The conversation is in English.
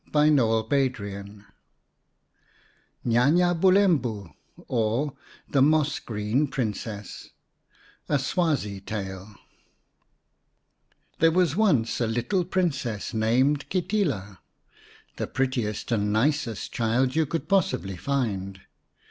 197 XVII NYA NYA BULEMBU; OR, THE MOSS GREEN PRINCESS A SWAZI TALE THERE was once a little Princess named Kitila, the prettiest and nicest child you could possibly find.